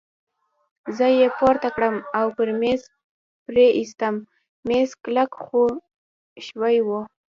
زه يې پورته کړم او پر مېز پرې ایستم، مېز کلک خو ښوی وو.